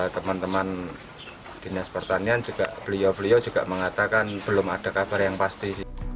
teman teman dinas pertanian juga beliau beliau juga mengatakan belum ada kabar yang pasti